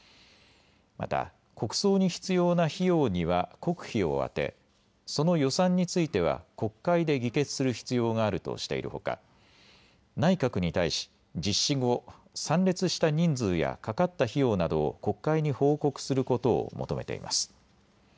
また国葬に必要な費用には国費を充てその予算については国会で議決する必要があるとしているほか、内閣に対し実施後、参列した人数やかかった費用などを国会に報告することを求めています。